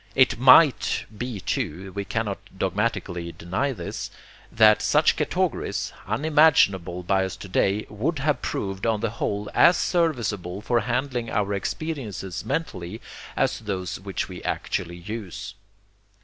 It MIGHT be too (we cannot dogmatically deny this) that such categories, unimaginable by us to day, would have proved on the whole as serviceable for handling our experiences mentally as those which we actually use.